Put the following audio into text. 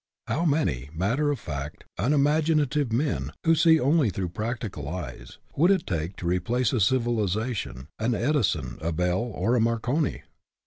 How many matter of fact, unimaginative men, who see only through practical eyes, would it take to replace in civilization au Edison, a Bell, or a Marconi?